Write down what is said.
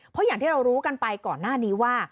เพราะอย่างที่เรารู้กันไปก่อนหน้านี้ว่า